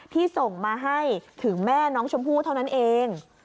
ที่ส่งมาให้ถึงแม่น้องชมพู่เท่านั้นเอง